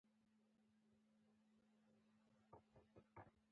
افغانستان په وحشي حیواناتو باندې پوره تکیه لري.